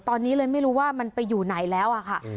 ตอนนี้เลยไม่รู้ว่ามันไปอยู่ไหนแล้วอะค่ะ